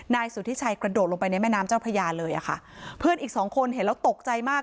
นายสุธิชัยกระโดดลงไปในแม่น้ำเจ้าพระยาเลยอ่ะค่ะเพื่อนอีกสองคนเห็นแล้วตกใจมาก